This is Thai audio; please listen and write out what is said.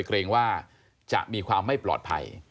เกรงว่าจะมีความไม่ปลอดภัย